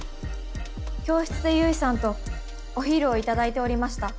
教室で唯さんとお昼をいただいておりました。